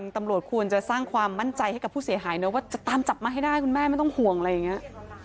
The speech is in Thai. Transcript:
ตำรวจควรจะสร้างความมั่นใจให้กับผู้เสียหายเนอะว่าจะตามจับมาให้ได้คุณแม่ไม่ต้องห่วงอะไรอย่างนี้